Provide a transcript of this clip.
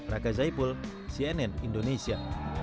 raka zaipul cnn indonesia